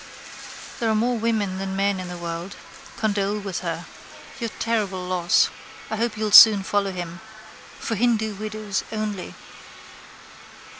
There are more women than men in the world. Condole with her. Your terrible loss. I hope you'll soon follow him. For Hindu widows only.